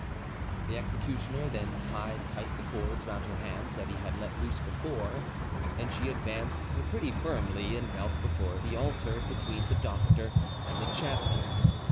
The executioner then tied tight the cords round her hands that he had let loose before, and she advanced pretty firmly and knelt before the altar, between the doctor and the chaplain.